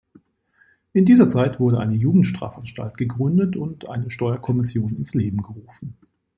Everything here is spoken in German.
In dieser Zeit wurde eine Jugendstrafanstalt gegründet und eine Steuerkommission ins Leben gerufen.